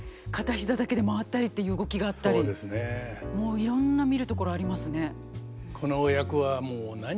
もういろんな見るところありますね。